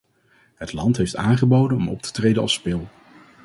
Het land heeft aangeboden om op te treden als spil.